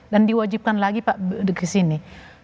dan diwajibkan lagi pak kesini